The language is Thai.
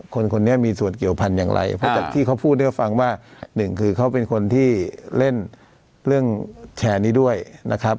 คนนี้มีส่วนเกี่ยวพันธุ์อย่างไรเพราะจากที่เขาพูดให้ฟังว่าหนึ่งคือเขาเป็นคนที่เล่นเรื่องแชร์นี้ด้วยนะครับ